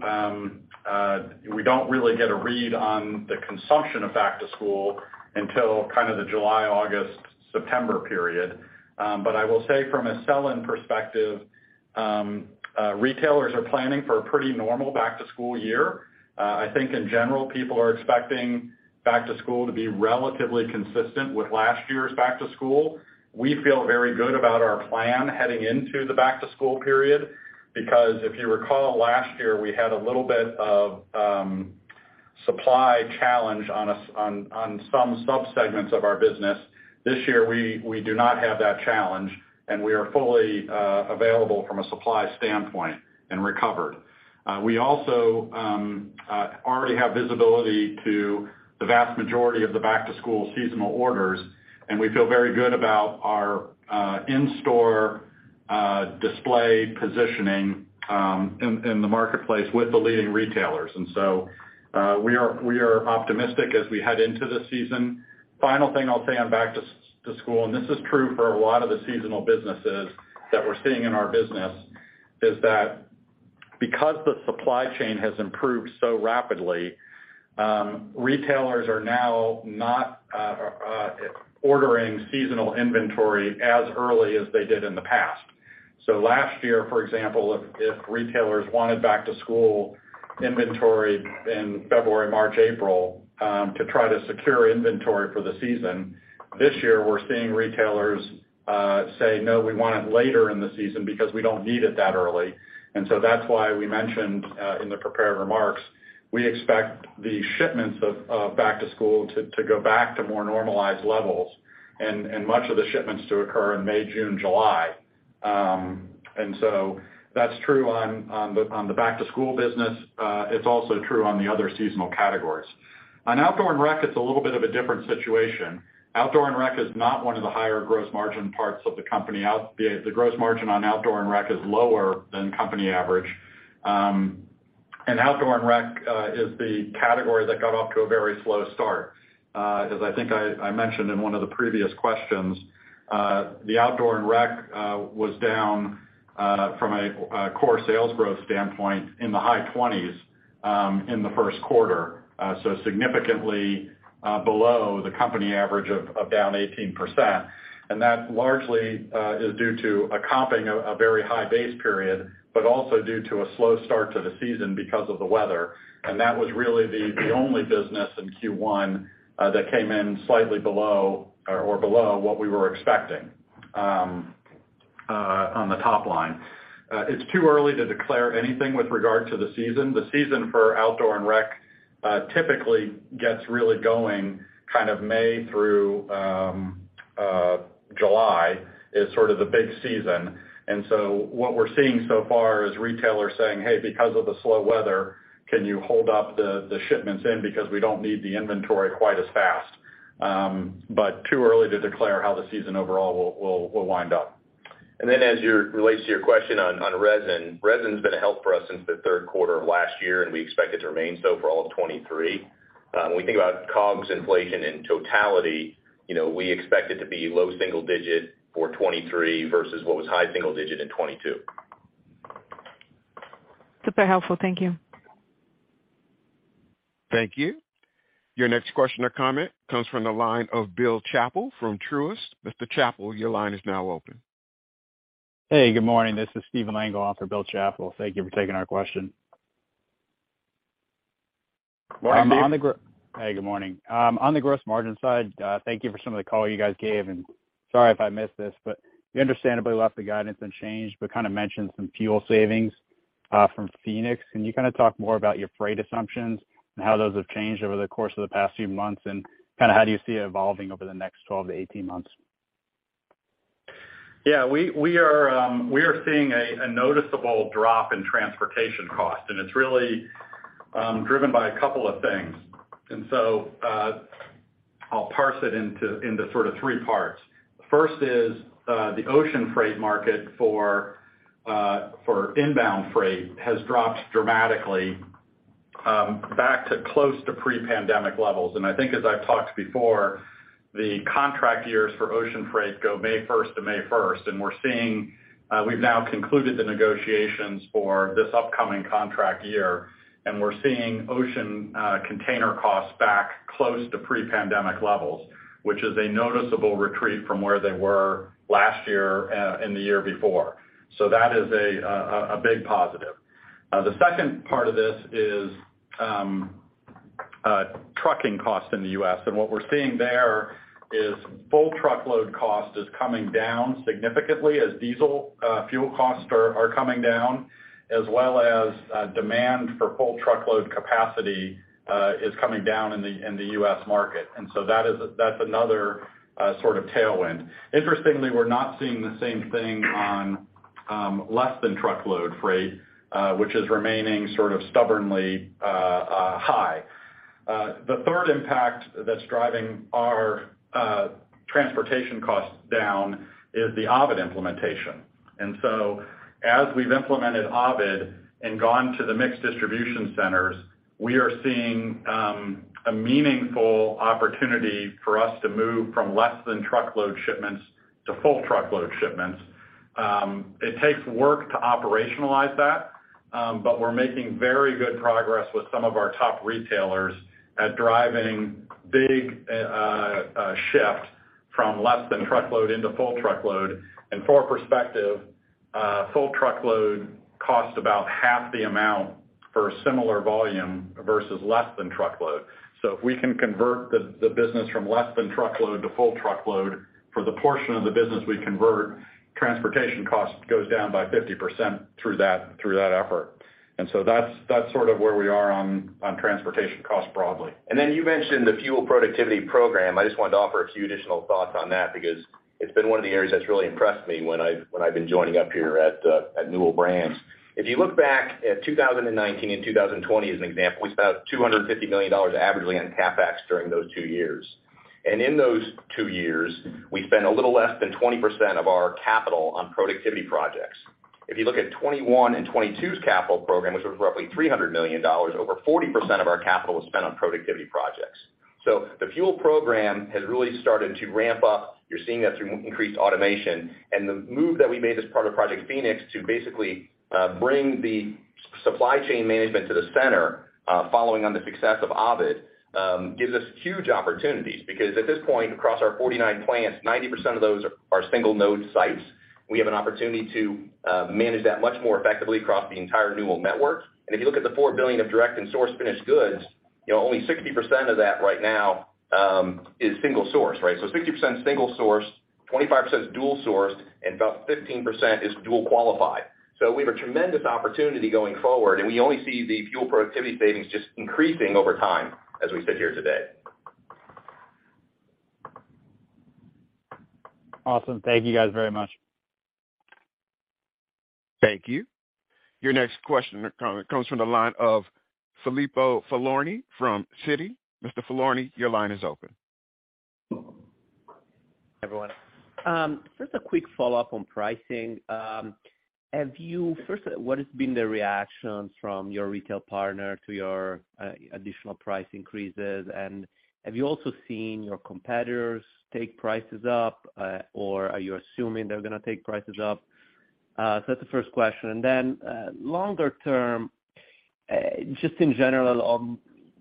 we don't really get a read on the consumption of back to school until kind of the July, August, September period. I will say from a sell-in perspective, retailers are planning for a pretty normal back to school year. I think in general, people are expecting back to school to be relatively consistent with last year's back to school. We feel very good about our plan heading into the back to school period because if you recall, last year we had a little bit of supply challenge on some subsegments of our business. This year we do not have that challenge, and we are fully available from a supply standpoint and recovered. We also already have visibility to the vast majority of the back to school seasonal orders, and we feel very good about our in-store display positioning in the marketplace with the leading retailers. We are optimistic as we head into the season. Final thing I'll say on back to school, and this is true for a lot of the seasonal businesses that we're seeing in our business, is that because the supply chain has improved so rapidly, retailers are now not ordering seasonal inventory as early as they did in the past. Last year, for example, if retailers wanted back to school inventory in February, March, April, to try to secure inventory for the season, this year we're seeing retailers say, "No, we want it later in the season because we don't need it that early." That's why we mentioned in the prepared remarks, we expect the shipments of back to school to go back to more normalized levels and much of the shipments to occur in May, June, July. That's true on the back to school business. It's also true on the other seasonal categories. On Outdoor and Rec, it's a little bit of a different situation. Outdoor and Rec is not one of the higher gross margin parts of the company. The gross margin on Outdoor & Recreation is lower than company average. Outdoor & Recreation is the category that got off to a very slow start. As I think I mentioned in one of the previous questions, the Outdoor & Recreation was down from a core sales growth standpoint in the high 20s in the first quarter. Significantly below the company average of down 18%. That largely is due to a comping a very high base period, but also due to a slow start to the season because of the weather. That was really the only business in Q1 that came in slightly below or below what we were expecting on the top line. It's too early to declare anything with regard to the season. The season for Outdoor & Recreation typically gets really going kind of May through July is sort of the big season. What we're seeing so far is retailers saying, "Hey, because of the slow weather, can you hold up the shipments in because we don't need the inventory quite as fast." Too early to declare how the season overall will wind up. As relates to your question on resin. Resin's been a help for us since the third quarter of last year, and we expect it to remain so for all of 2023. When we think about COGS inflation in totality, you know, we expect it to be low single-digit for 2023 versus what was high single-digit in 2022. Super helpful. Thank you. Thank you. Your next question or comment comes from the line of Bill Chappell from Truist. Mr. Chappell, your line is now open. Hey, good morning. This is Stephen Lengel on for Bill Chappell. Thank you for taking our question. Morning, Steve. Hey, good morning. On the gross margin side, thank you for some of the color you guys gave. Sorry if I missed this, but you understandably left the guidance unchanged, but kind of mentioned some FUEL savings, from Phoenix. Can you kind of talk more about your freight assumptions and how those have changed over the course of the past few months? Kind of how do you see it evolving over the next 12 to 18 months? Yeah, we are seeing a noticeable drop in transportation cost, and it's really driven by a couple of things. I'll parse it into sort of three parts. First is the ocean freight market for inbound freight has dropped dramatically, back to close to pre-pandemic levels. I think as I've talked before, the contract years for ocean freight go May first to May first, and we're seeing we've now concluded the negotiations for this upcoming contract year, and we're seeing ocean container costs back close to pre-pandemic levels, which is a noticeable retreat from where they were last year and the year before. That is a big positive. The second part of this is trucking costs in the U.S. What we're seeing there is full truckload cost is coming down significantly as diesel fuel costs are coming down, as well as demand for full truckload capacity is coming down in the US market. That's another sort of tailwind. Interestingly, we're not seeing the same thing on less than truckload freight, which is remaining sort of stubbornly high. The third impact that's driving our transportation costs down is the Ovid implementation. As we've implemented Ovid and gone to the mixed distribution centers, we are seeing a meaningful opportunity for us to move from less than truckload shipments to full truckload shipments. It takes work to operationalize that, we're making very good progress with some of our top retailers at driving big shift from less than truckload into full truckload. For perspective, full truckload costs about half the amount for a similar volume versus less than truckload. If we can convert the business from less than truckload to full truckload, for the portion of the business we convert, transportation cost goes down by 50% through that effort. That's sort of where we are on transportation costs broadly. You mentioned the FUEL productivity program. I just wanted to offer a few additional thoughts on that because it's been one of the areas that's really impressed me when I've been joining up here at Newell Brands. If you look back at 2019 and 2020 as an example, we spent $250 million averagely on CapEx during those two years. In those two years, we spent a little less than 20% of our capital on productivity projects. If you look at 2021 and 2022's capital program, which was roughly $300 million, over 40% of our capital was spent on productivity projects. The FUEL program has really started to ramp up. You're seeing that through increased automation. The move that we made as part of Project Phoenix to basically bring the supply chain management to the center, following on the success of Ovid, gives us huge opportunities. At this point, across our 49 plants, 90% of those are single node sites. We have an opportunity to manage that much more effectively across the entire Newell network. If you look at the $4 billion of direct and source finished goods, you know, only 60% of that right now is single source, right? 60% single sourced, 25% is dual sourced, and about 15% is dual qualified. We have a tremendous opportunity going forward, and we only see the FUEL productivity savings just increasing over time as we sit here today. Awesome. Thank you guys very much. Thank you. Your next question comes from the line of Filippo Falorni from Citi. Mr. Falorni, your line is open. Everyone, just a quick follow-up on pricing. Firstly, what has been the reaction from your retail partner to your additional price increases? Have you also seen your competitors take prices up, or are you assuming they're gonna take prices up? That's the first question. Then, longer term, just in general,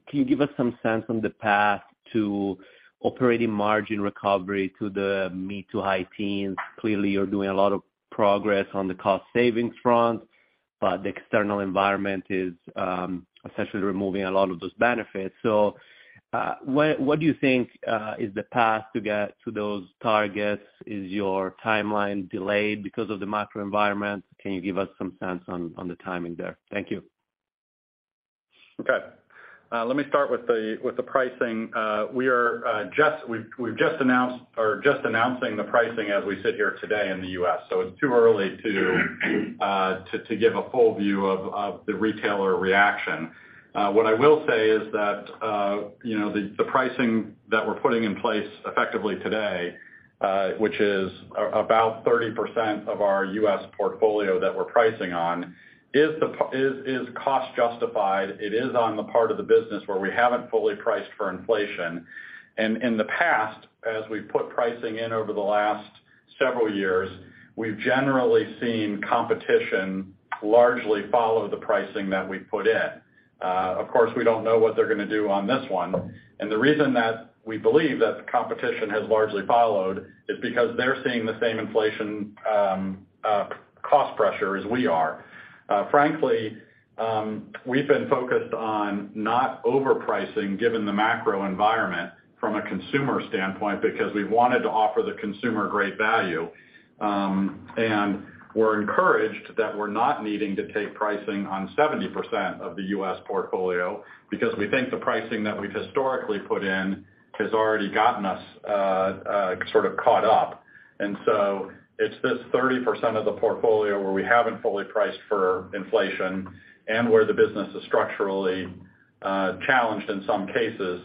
can you give us some sense on the path to operating margin recovery to the mid to high teens? Clearly, you're doing a lot of progress on the cost savings front, but the external environment is essentially removing a lot of those benefits. What do you think is the path to get to those targets? Is your timeline delayed because of the macro environment? Can you give us some sense on the timing there? Thank you. Okay. Let me start with the pricing. We are, we've just announced or just announcing the pricing as we sit here today in the U.S. It's too early to give a full view of the retailer reaction. What I will say is that, you know, the pricing that we're putting in place effectively today, which is about 30% of our U.S. portfolio that we're pricing on, is cost justified. It is on the part of the business where we haven't fully priced for inflation. In the past, as we've put pricing in over the last several years, we've generally seen competition largely follow the pricing that we put in. Of course, we don't know what they're gonna do on this one. The reason that we believe that the competition has largely followed is because they're seeing the same inflation, cost pressure as we are. Frankly, we've been focused on not overpricing given the macro environment from a consumer standpoint, because we wanted to offer the consumer great value. We're encouraged that we're not needing to take pricing on 70% of the U.S. portfolio because we think the pricing that we've historically put in has already gotten us sort of caught up. So it's this 30% of the portfolio where we haven't fully priced for inflation and where the business is structurally challenged in some cases,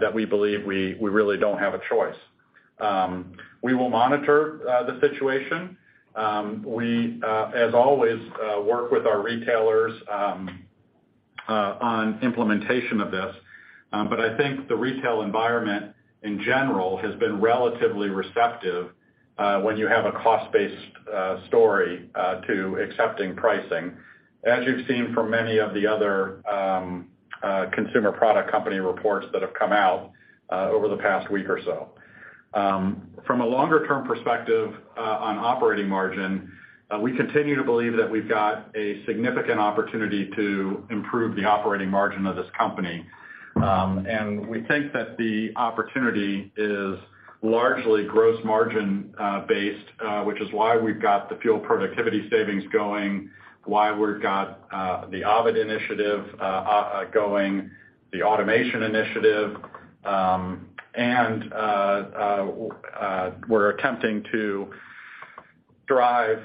that we believe we really don't have a choice. We will monitor the situation. We as always work with our retailers on implementation of this. I think the retail environment in general has been relatively receptive, when you have a cost-based story, to accepting pricing, as you've seen from many of the other consumer product company reports that have come out over the past week or so. From a longer-term perspective, on operating margin, we continue to believe that we've got a significant opportunity to improve the operating margin of this company. We think that the opportunity is largely gross margin based, which is why we've got the fuel productivity savings going, why we've got the Ovid initiative going, the automation initiative, and we're attempting to drive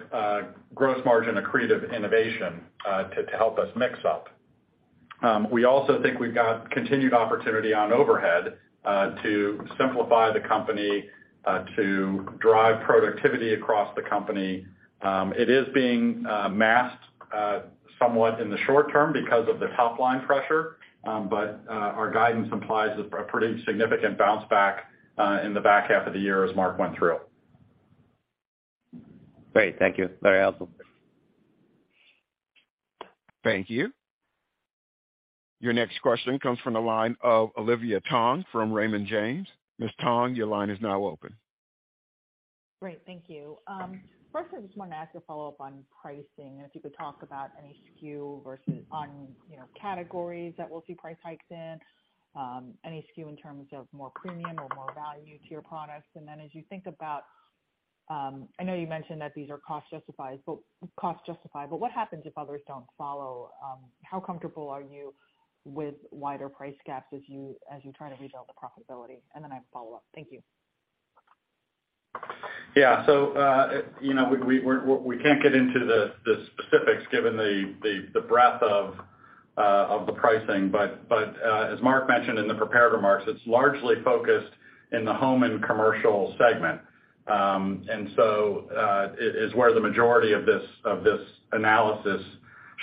gross margin accretive innovation to help us mix up. We also think we've got continued opportunity on overhead to simplify the company to drive productivity across the company. It is being masked somewhat in the short term because of the top line pressure. Our guidance implies a pretty significant bounce back in the back half of the year as Mark went through. Great. Thank you. Very helpful. Thank you. Your next question comes from the line of Olivia Tong from Raymond James. Ms. Tong, your line is now open. Great. Thank you. First I just wanted to ask a follow-up on pricing, and if you could talk about any SKU versus on, you know, categories that we'll see price hikes in, any SKU in terms of more premium or more value to your products. As you think about, I know you mentioned that these are cost justified, but what happens if others don't follow? How comfortable are you with wider price gaps as you try to rebuild the profitability? I have a follow-up. Thank you. You know, we can't get into the specifics given the breadth of the pricing. As Mark mentioned in the prepared remarks, it's largely focused in the Home & Commercial segment. It is where the majority of this analysis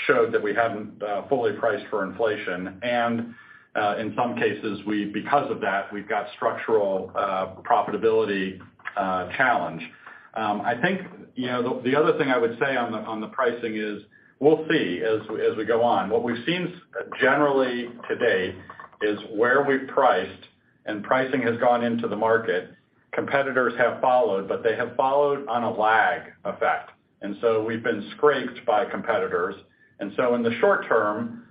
showed that we haven't fully priced for inflation. In some cases, we because of that, we've got structural profitability challenge. I think, you know, the other thing I would say on the pricing is we'll see as we go on. What we've seen generally to date is where we've priced and pricing has gone into the market, competitors have followed, but they have followed on a lag effect. We've been scraped by competitors. In the short term,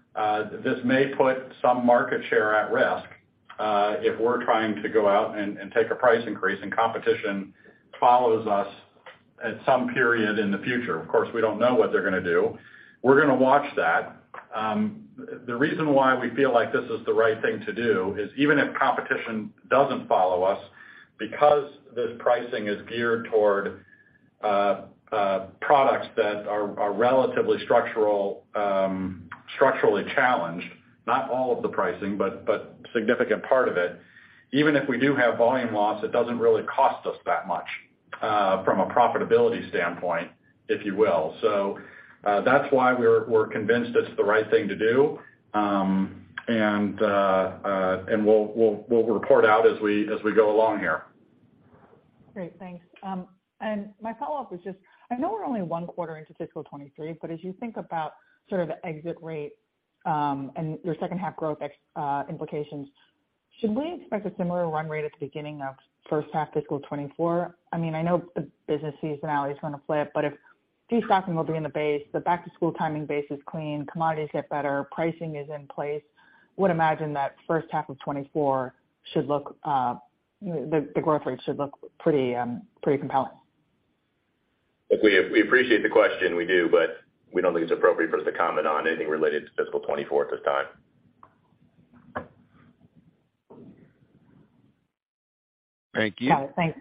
this may put some market share at risk, if we're trying to go out and take a price increase and competition follows us at some period in the future. Of course, we don't know what they're gonna do. We're gonna watch that. The reason why we feel like this is the right thing to do is even if competition doesn't follow us, because this pricing is geared toward products that are relatively structural, structurally challenged, not all of the pricing, but significant part of it, even if we do have volume loss, it doesn't really cost us that much from a profitability standpoint, if you will. That's why we're convinced it's the right thing to do. We'll report out as we go along here. Great. Thanks. My follow-up was just I know we're only one quarter into fiscal 2023, but as you think about sort of exit rate, and your second half growth implications, should we expect a similar run rate at the beginning of first half fiscal 2024? I mean, I know the business seasonality is gonna flip, but if destocking will be in the base, the back-to-school timing base is clean, commodities get better, pricing is in place. I would imagine that first half of 2024 should look, the growth rate should look pretty compelling. Look, we appreciate the question, we do, but we don't think it's appropriate for us to comment on anything related to fiscal 2024 at this time. Thank you. Got it. Thanks.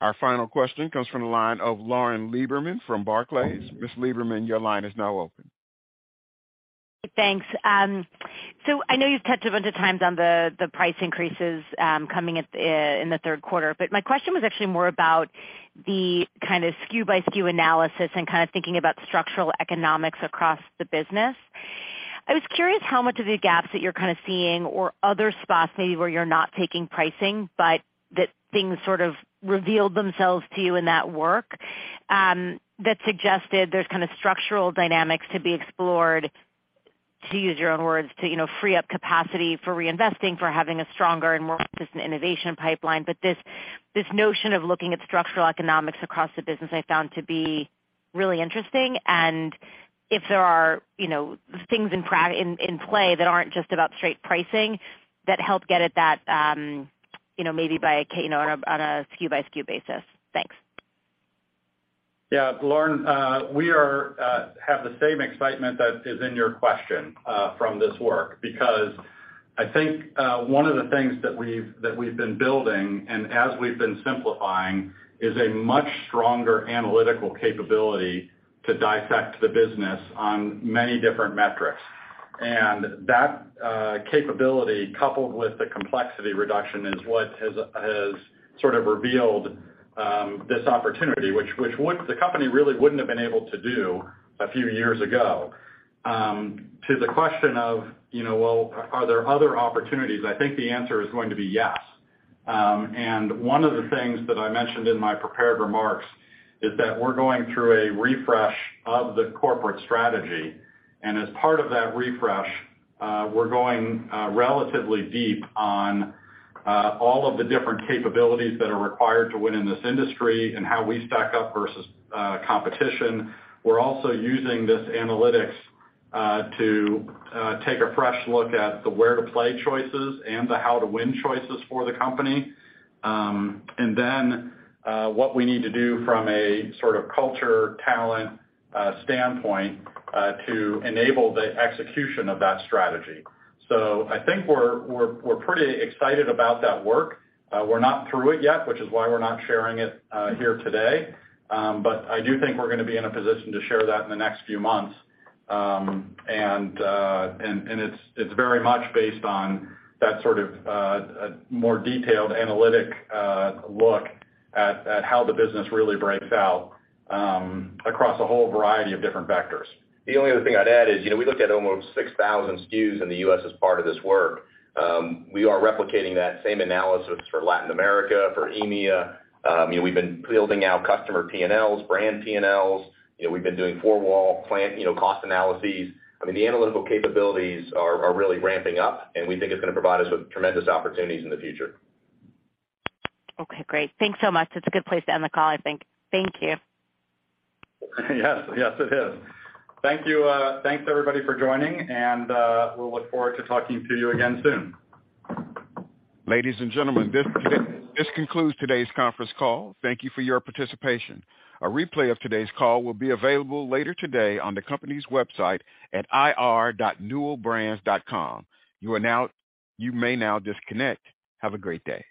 Our final question comes from the line of Lauren Lieberman from Barclays. Ms. Lieberman, your line is now open. Thanks. I know you've touched a bunch of times on the price increases, coming at, in the third quarter. My question was actually more about the kind of SKU by SKU analysis and kind of thinking about structural economics across the business. I was curious how much of the gaps that you're kind of seeing or other spots maybe where you're not taking pricing, but that things sort of revealed themselves to you in that work, that suggested there's kind of structural dynamics to be explored, to use your own words, to, you know, free up capacity for reinvesting, for having a stronger and more consistent innovation pipeline. This, this notion of looking at structural economics across the business I found to be really interesting. If there are, you know, things in play that aren't just about straight pricing that help get at that, you know, maybe you know, on a SKU by SKU basis. Thanks. Yeah, Lauren, we are, have the same excitement that is in your question, from this work, because I think, one of the things that we've, that we've been building and as we've been simplifying, is a much stronger analytical capability to dissect the business on many different metrics. That capability, coupled with the complexity reduction is what has sort of revealed, this opportunity, which the company really wouldn't have been able to do a few years ago. To the question of, you know, well, are there other opportunities? I think the answer is going to be yes. One of the things that I mentioned in my prepared remarks is that we're going through a refresh of the corporate strategy. As part of that refresh, we're going relatively deep on all of the different capabilities that are required to win in this industry and how we stack up versus competition. We're also using this analytics to take a fresh look at the where to play choices and the how to win choices for the company. Then, what we need to do from a sort of culture, talent, standpoint, to enable the execution of that strategy. I think we're pretty excited about that work. We're not through it yet, which is why we're not sharing it here today. I do think we're gonna be in a position to share that in the next few months. It's very much based on that sort of, more detailed analytic, look at how the business really breaks out, across a whole variety of different vectors. The only other thing I'd add is, you know, we looked at almost 6,000 SKUs in the U.S. as part of this work. We are replicating that same analysis for Latin America, for EMEA. You know, we've been building out customer P&Ls, brand P&Ls. You know, we've been doing four-wall plan, you know, cost analyses. I mean, the analytical capabilities are really ramping up, and we think it's gonna provide us with tremendous opportunities in the future. Okay, great. Thanks so much. It's a good place to end the call, I think. Thank you. Yes, it is. Thank you. Thanks everybody for joining, and we'll look forward to talking to you again soon. Ladies and gentlemen, this concludes today's conference call. Thank you for your participation. A replay of today's call will be available later today on the company's website at ir.newellbrands.com. You may now disconnect. Have a great day.